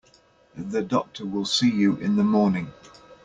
The doctor will see you in the morning.